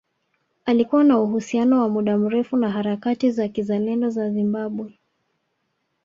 Alikuwa na uhusiano wa muda mrefu na harakati za kizalendo za Zimbabwe